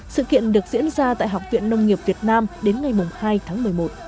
sự kiện được diễn ra tại học viện nông nghiệp việt nam đến ngày hai tháng một mươi một